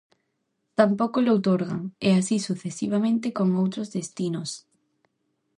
Tampouco llo outorgan, e así sucesivamente con outros destinos.